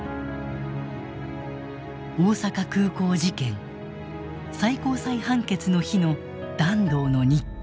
大阪空港事件最高裁判決の日の團藤の日記。